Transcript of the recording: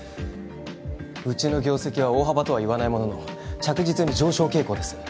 うちの業績は大幅とはいわないものの着実に上昇傾向です